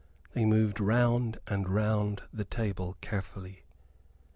They moved round and round the table carefully.